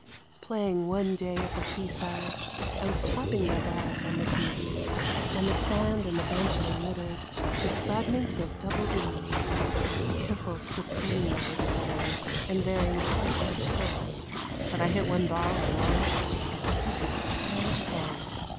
Playing one day at the seaside, I was topping my balls on the tees, And the sand and the bent were littered with fragments of double D's; Piffle supreme I was playing, and varying "slice" with "pull," But I hit one ball a wallop like a kick of a Spanish bull.